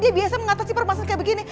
dia biasa mengatasi permasalahan kayak begini